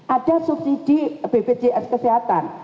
ada subsidi bpjs kesehatan